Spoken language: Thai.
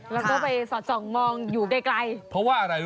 แล้วก็ไปสอดส่องมองอยู่ไกล